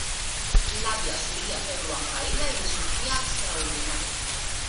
L'àvia solia fer-lo en paella i li sortia extraordinari.